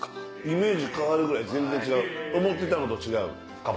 イメージ変わるぐらい全然違う思ってたのと違う。